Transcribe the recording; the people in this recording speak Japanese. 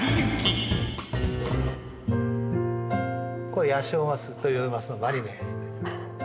これヤシオマスというマスのマリネ。